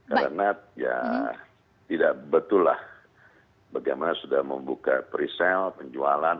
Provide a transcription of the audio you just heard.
karena ya tidak betullah bagaimana sudah membuka presale penjualan